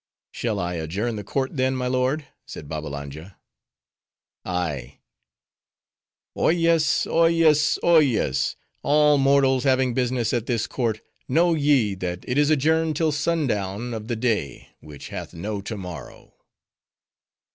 "Shall I adjourn the court then, my lord?" said Babbalanja. "Ay." "Oyez! Oyez! Oyez! All mortals having business at this court, know ye, that it is adjourned till sundown of the day, which hath no to morrow."